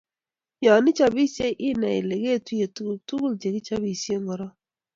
Yo ichopisiei inai Ile ketuiye tuguk tugul che kichobisie korok